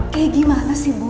kayak gimana sih bu